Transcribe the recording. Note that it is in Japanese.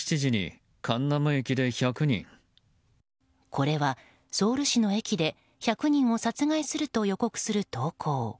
これはソウル市の駅で１００人を殺害すると予告する投稿。